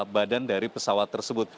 badan dari pesawat tersebut